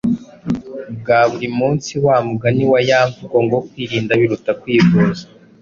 bwa buri munsi, wa mugani wa ya mvugo ngo kwirinda biruta kwivuza